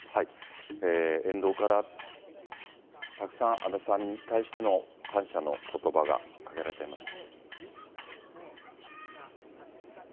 沿道からたくさん、安倍さんに対しての感謝のことばがかけられています。